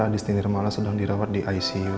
adisti nirmala sedang dirawat di icu